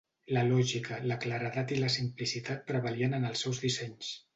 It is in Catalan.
La lògica, la claredat i la simplicitat prevalien en els seus dissenys.